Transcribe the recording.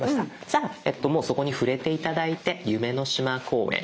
じゃあもうそこに触れて頂いて夢の島公園。